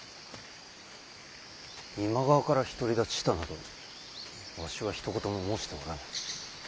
今川から独り立ちしたなどわしはひと言も申しておらぬ。